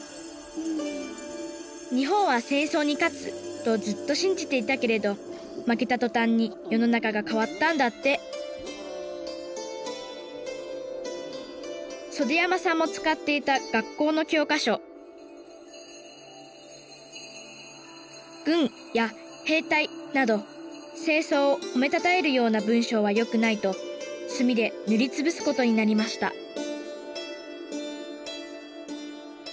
「日本は戦争に勝つ」とずっと信じていたけれど負けたとたんに世の中が変わったんだって袖山さんも使っていた学校の教科書「軍」や「兵隊」など戦争を褒めたたえるような文章は良くないと墨でぬりつぶすことになりましたねえ。